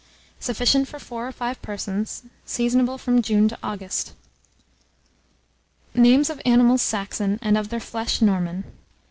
Sufficient for 4 or 5 persons. Seasonable from June to August. NAMES OF ANIMALS SAXON, AND OF THEIR FLESH NORMAN.